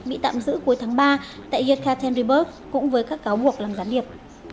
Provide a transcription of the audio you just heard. bị tạm giữ cuối tháng ba tại yerka tenryburg cũng với các cáo buộc làm gián điệp